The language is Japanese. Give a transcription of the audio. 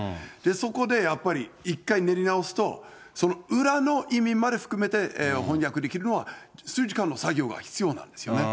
そこでやっぱり、一回練り直すと、裏の意味まで含めて翻訳できるのは、数時間の作業が必要なんですね。